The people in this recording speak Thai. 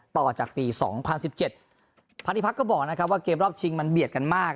ต่อจากปี๒๐๑๗พันธิพักก็บอกนะครับว่าเกมรอบชิงมันเบียดกันมาก